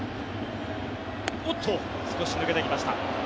少し抜けてきました。